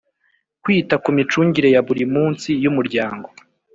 kwita ku micungire ya buri munsi y umuryango